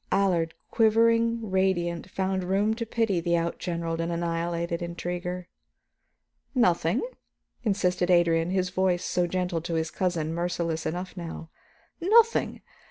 Allard, quivering, radiant, found room to pity the outgeneraled and annihilated intriguer. "Nothing?" insisted Adrian, the voice so gentle to his cousin, merciless enough now. "Nothing?